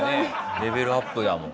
レベルアップだもん。